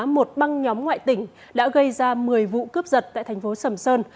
một băng nhóm ngoại tỉnh đã gây ra một mươi vụ cướp giật tại thành phố sầm sơn